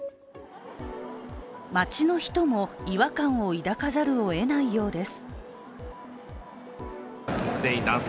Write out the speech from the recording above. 街の人も違和感を抱かざるを得ないようです。